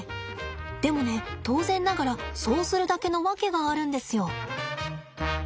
でもね当然ながらそうするだけの訳があるんですよ。